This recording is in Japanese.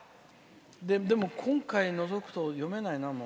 でも、今回除くと読めないな、もう。